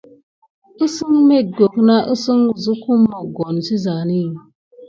Mohoh wuziya kum sikete pirti abok nʼa zébem sigà.